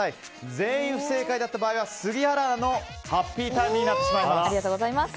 全員不正解だった場合は杉原アナのハッピーターンになってしまいます。